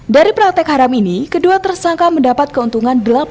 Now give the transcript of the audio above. dari praktek haram ini kedua tersangka mendapat keuntungan